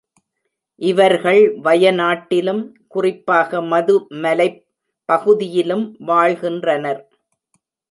இவர்கள் வய நாட்டிலும், குறிப்பாக மதுமலைப் பகுதியிலும் வாழ்கின்றனர்.